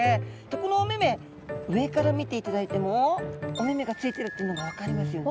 このお目々上から見ていただいてもお目々がついてるっていうのが分かりますよね。